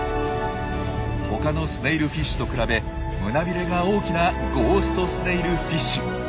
他のスネイルフィッシュと比べ胸ビレが大きなゴーストスネイルフィッシュ。